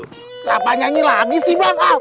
kenapa nyanyi lagi sih bang